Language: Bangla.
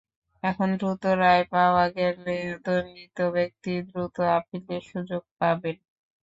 এখন দ্রুত রায় পাওয়া গেলে দণ্ডিত ব্যক্তি দ্রুত আপিলের সুযোগ পাবেন।